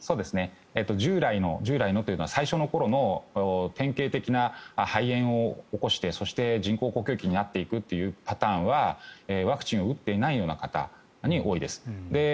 従来の、最初の頃の典型的な肺炎を起こしてそして、人工呼吸器になっていくというパターンはワクチンを打っていないような方に多いです。